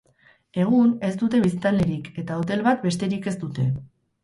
Egun, ez dute biztanlerik eta hotel bat besterik ez dute.